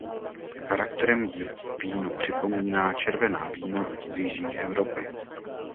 Charakterem víno připomíná červená vína z jižní Evropy.